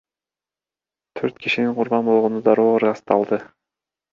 Төрт кишинин курман болгону дароо ырасталды.